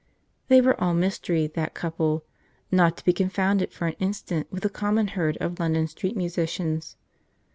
They were all mystery that couple; not to be confounded for an instant with the common herd of London street musicians.